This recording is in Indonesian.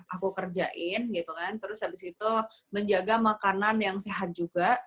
aku kerjain gitu kan terus habis itu menjaga makanan yang sehat juga